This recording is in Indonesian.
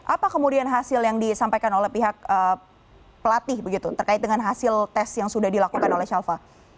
apa kemudian hasil yang disampaikan oleh pihak pelatih begitu terkait dengan hasil tes yang sudah dilakukan oleh shalfa